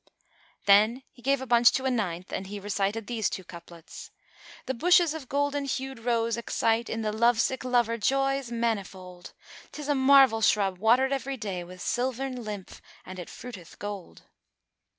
Then he gave a bunch to a ninth and he recited these two couplets, "The bushes of golden hued Rose excite * In the love sick lover joys manifold: 'Tis a marvel shrub watered every day * With silvern lymph and it fruiteth gold."